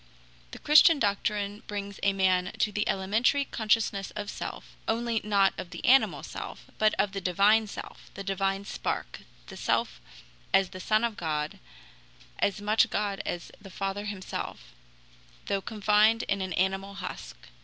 The Christian doctrine brings a man to the elementary consciousness of self, only not of the animal self, but of the divine self, the divine spark, the self as the Son of God, as much God as the Father himself, though confined in an animal husk.